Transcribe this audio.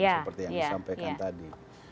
seperti yang disampaikan tadi